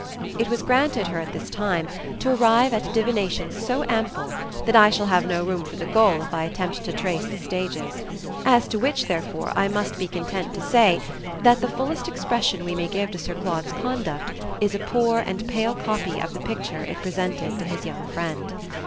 It was granted her at this time to arrive at divinations so ample that I shall have no room for the goal if I attempt to trace the stages; as to which therefore I must be content to say that the fullest expression we may give to Sir Claude's conduct is a poor and pale copy of the picture it presented to his young friend.